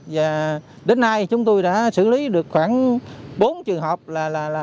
và đến nay chúng tôi đã xử lý được khoảng bốn trường hợp là